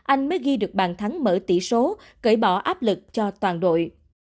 anh mới ghi được bàn thắng mở tỷ số cởi bỏ áp lực cho toàn đội